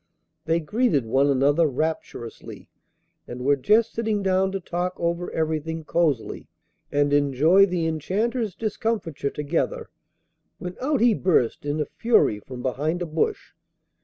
They greeted one another rapturously, and were just sitting down to talk over everything cosily, and enjoy the Enchanter's discomfiture together, when out he burst in a fury from behind a bush.